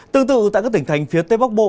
tương tự tại các tỉnh thành phía tây bắc bộ